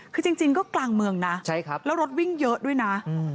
คือจริงก็กลางเมืองนะแล้วรถวิ่งเยอะด้วยนะ